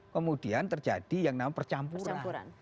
kemudian terjadi yang namanya percampuran